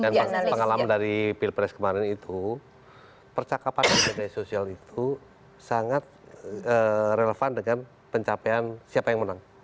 dan pengalaman dari pilpres kemarin itu percakapan di media sosial itu sangat relevan dengan pencapaian siapa yang menang